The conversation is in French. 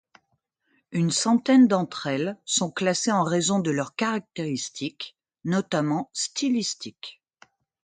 Une centaine d'entre elles sont classées en raison de leurs caractéristiques notamment stylistiques.